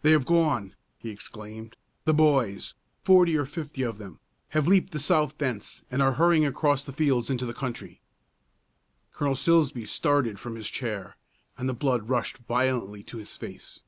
"They have gone!" he exclaimed. "The boys forty or fifty of them have leaped the south fence, and are hurrying across the fields into the country!" Colonel Silsbee started from his chair, and the blood rushed violently to his face.